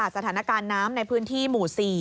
สถานการณ์น้ำในพื้นที่หมู่๔